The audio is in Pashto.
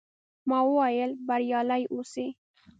ما وویل، بریالي اوسئ.